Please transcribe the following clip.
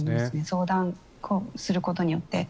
相談することによって。